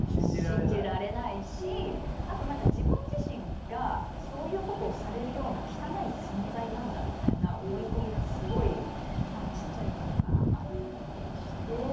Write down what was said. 信じられないしあとなんか自分自身がそういうことをされるような汚い存在なんだみたいな思い込みがすごい小さいころからあったりして。